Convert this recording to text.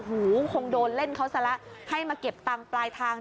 หูคงโดนเล่นเขาซะละให้มาเก็บตังค์ปลายทาง